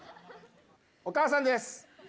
お母さんです。